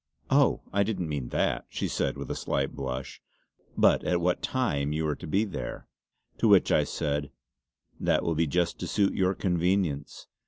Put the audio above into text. "Oh! I didn't mean that," she said with a slight blush "but at what time you were to be there." To which I said: "That will be just to suit your convenience.